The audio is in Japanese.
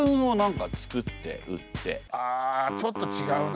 あちょっと違うな。